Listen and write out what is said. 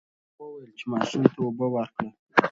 هغه وویل چې ماشوم ته اوبه ورکړه.